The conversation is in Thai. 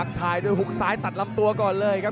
ภักด์ทายโดยหุ้กสายตัดล้ำตัวก่อนเลยครับ